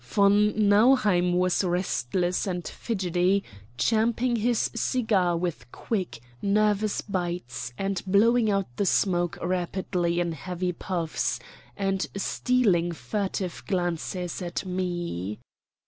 Von Nauheim was restless and fidgety, champing his cigar with quick, nervous bites, and blowing out the smoke rapidly in heavy puffs, and stealing furtive glances at me.